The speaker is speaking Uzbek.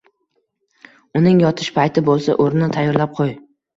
Uning yotish payti bo‘lsa, o‘rnini tayyorlab qo‘y.